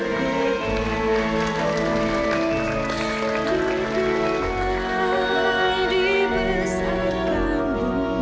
hidupkan dibesarkan bunda